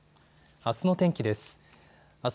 あすの天気です。